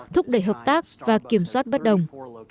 thúc đẩy hợp tác và kiểm soát bất đồng